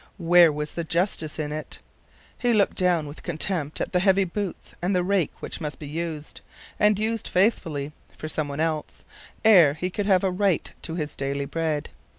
Where was the justice in it? He looked down with contempt at the heavy boots, and the rake which must be used, and used faithfully, for some one else, ere he could have a right to his daily bread.